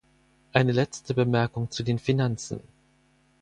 Eine letzte Bemerkung zu den Finanzen.